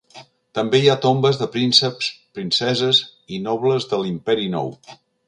També hi ha tombes de prínceps, princeses i nobles de l'Imperi Nou.